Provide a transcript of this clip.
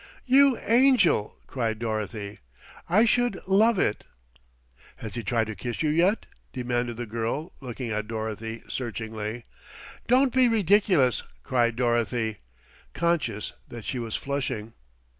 "You angel!" cried Dorothy. "I should love it." "Has he tried to kiss you yet?" demanded the girl, looking at Dorothy searchingly. "Don't be ridiculous," cried Dorothy, conscious that she was flushing.